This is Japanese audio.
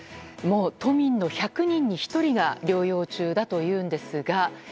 もう都民の１００人に１人が療養中だというんですが。